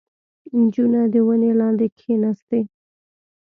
• نجونه د ونې لاندې کښېناستې.